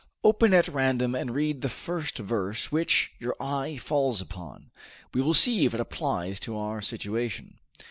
Open at random and read the first verse which, your eye falls upon. We will see if it applies to our situation."